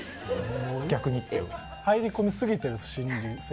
入り込みすぎてる、心理戦。